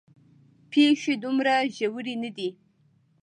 پېښې دومره ژورې نه دي.